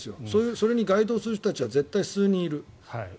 それに該当する人たちは絶対、数人いる。